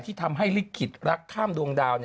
ที่ทำให้ลิตรคิดเราลักท่ามดวงดาว